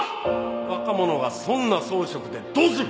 若者がそんな草食でどうする？